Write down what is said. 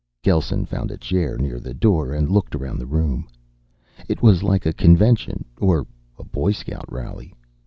Gelsen found a chair near the door and looked around the room. It was like a convention, or a Boy Scout rally.